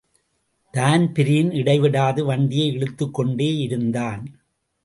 Dan Breen இடைவிடாது வண்டியை இழுத்துக்கொண்டே யிருந்தான்.